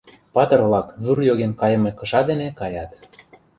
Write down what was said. Патыр-влак вӱр йоген кайыме кыша дене каят.